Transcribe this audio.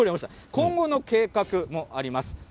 今後の計画もあります。